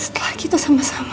setelah kita sama sama